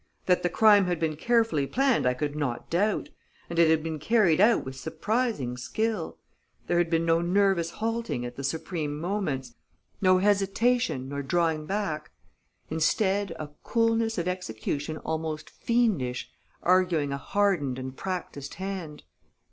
That the crime had been carefully planned I could not doubt; and it had been carried out with surprising skill. There had been no nervous halting at the supreme moments, no hesitation nor drawing back; instead, a coolness of execution almost fiendish, arguing a hardened and practiced hand.